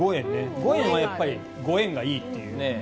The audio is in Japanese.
５円はやっぱりご縁がいいという。